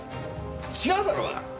違うだろうが！